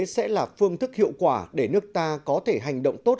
sẽ là phương thức hiệu quả để nước ta có thể hành động tốt